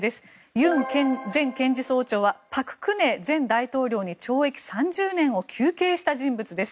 ユン前検事総長は朴槿惠前大統領に懲役３０年を求刑した人物です。